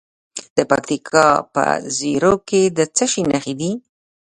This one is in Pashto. د پکتیکا په زیروک کې د څه شي نښې دي؟